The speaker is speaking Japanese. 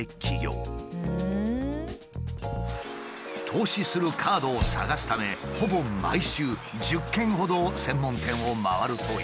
投資するカードを探すためほぼ毎週１０軒ほど専門店を回るという。